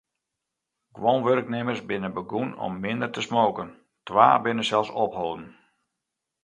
Guon wurknimmers binne begûn om minder te smoken, twa binne sels opholden.